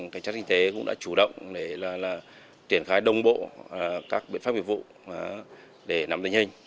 cảnh sát kinh tế cũng đã chủ động để là triển khai đông bộ các biện pháp biểu vụ để nắm tình hình